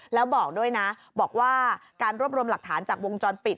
แล้วบอกด้วยนะบอกว่าการรวบรวมหลักฐานจากวงจรปิด